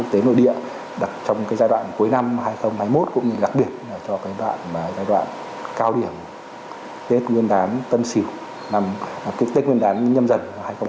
tết nguyên đán tân sỉu tết nguyên đán nhâm dần hai nghìn hai mươi hai